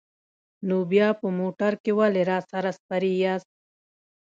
نو بیا په موټر کې ولې راسره سپرې یاست؟